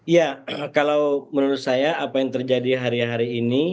ya kalau menurut saya apa yang terjadi hari hari ini